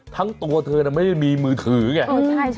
ทั้งตัวเธอน่ะไม่มีมือถือไงเออใช่